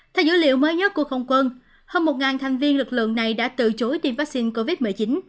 theo dữ liệu mới nhất của không quân hơn một thành viên lực lượng này đã từ chối tiêm vaccine covid một mươi chín